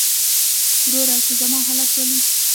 ورور چې زما حالت وليده .